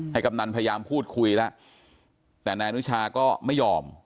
ให้กับนั้นพยายามพูดคุยละแต่นานุชาก็ไม่ยอม